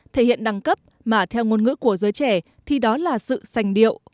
thể hiện đẳng cấp mà theo ngôn ngữ của giới trẻ thì đó là sự sành điệu